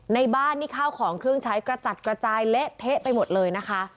ในบ้านนี่ข้าวของเครื่องใช้กระจัดกระจายเละเทะไปหมดเลยนะคะ